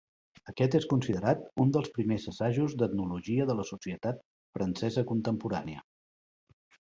Aquest és considerat un dels primers assajos d'etnologia de la societat francesa contemporània.